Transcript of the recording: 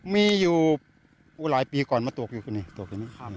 มีอยู่หลายปีก่อนมาอาจจะตก